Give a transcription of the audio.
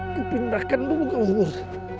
kupindahkan dulu kau pun